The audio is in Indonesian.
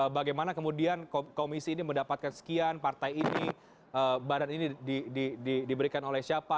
bagaimana kemudian komisi ini mendapatkan sekian partai ini badan ini diberikan oleh siapa